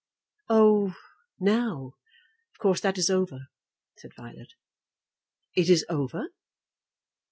"Oh; now; of course that is over," said Violet. "It is over?"